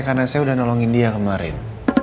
karena saya udah nolongin dia kemarin